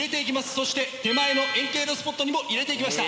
そして手前の円形のスポットにも入れていきました。